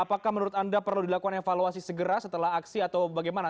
apakah menurut anda perlu dilakukan evaluasi segera setelah aksi atau bagaimana